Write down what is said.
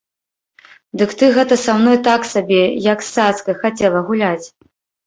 Дык ты гэта са мной так сабе, як з цацкай, хацела гуляць?